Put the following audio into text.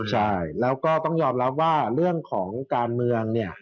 ใช่แล้วก็ต้องยอมรับว่าเรื่องของการเมืองเนี่ย